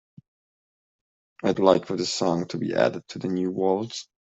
I'd like for this song to be added to the new waltz.